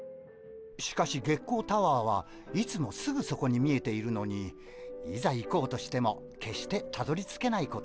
しかし月光タワーはいつもすぐそこに見えているのにいざ行こうとしても決してたどりつけないことで有名です。